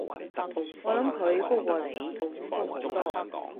我諗佢高過你，高好多